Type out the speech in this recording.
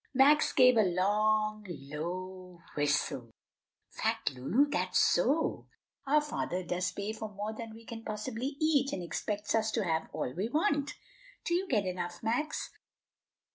Max gave a long, low whistle. "Fact, Lu! that's so! our father does pay for more than we can possibly eat, and expects us to have all we want." "Do you get enough, Max?"